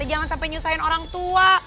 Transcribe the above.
jangan sampai nyusahin orang tua